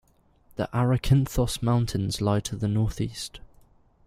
The Arakynthos mountains lie to the northeast.